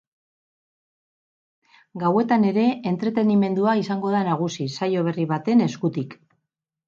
Gauetan ere entretenimendua izango da nagusi, saio berri baten eskutik.